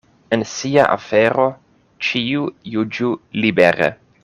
En sia afero ĉiu juĝu libere.